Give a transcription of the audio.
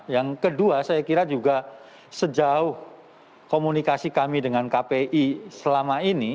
yang kedua saya kira juga sejauh komunikasi kami dengan kpi selama ini